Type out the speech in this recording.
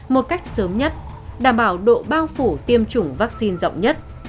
một cách sớm nhất đảm bảo độ bao phủ tiêm chủng vaccine rộng nhất